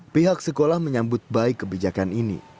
pihak sekolah menyambut baik kebijakan ini